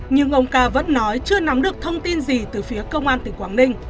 nhưng ông ca vẫn nói chưa nắm được thông tin gì từ phía công an tp hcm